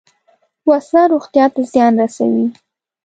وسله روغتیا ته زیان رسوي